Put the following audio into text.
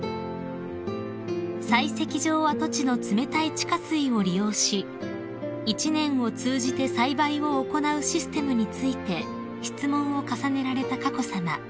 ［採石場跡地の冷たい地下水を利用し一年を通じて栽培を行うシステムについて質問を重ねられた佳子さま］